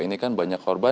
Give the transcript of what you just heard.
ini kan banyak korban